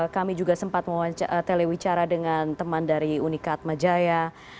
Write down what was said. kami juga sempat mewicara dengan teman dari uni katma jaya